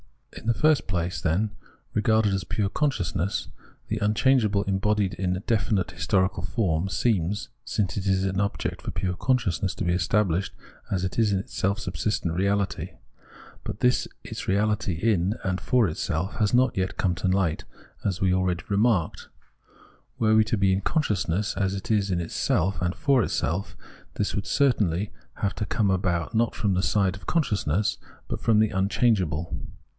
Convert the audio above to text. In the first place, then, regarded as pure consciousness, the unchangeable embodied in definite historical form, seems, since it is an object for pure consciousness, to be established as it is in its self subsistent reality But this, its reahty in and for itself, has not yet come to light, as we already remarked. Were it to be in consciousness as it is in itself and for itself, this would certainly have to come about not from the side of consciousness, but from the unchangeable.